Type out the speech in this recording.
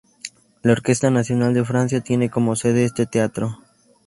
La Orquesta Nacional de Francia tiene como sede este teatro.